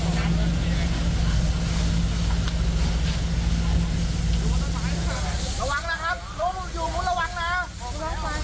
รอต่อสายระวังนะครับลุงอยู่ละวังนะละวังละวัง